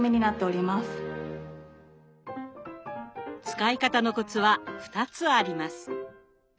使い方のコツは２つあります。